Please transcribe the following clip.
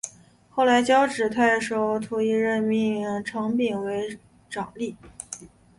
后来交趾太守士燮任命程秉为长史。